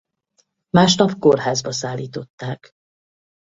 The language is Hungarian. Másnap kórházba szállították.